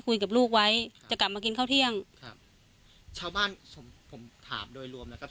คุยกับลูกไว้จะกลับมากินเข้าเที่ยงชาวบ้านผมถามโดยรวมแล้ว